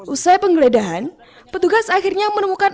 usai penggeledahan petugas akhirnya menemukan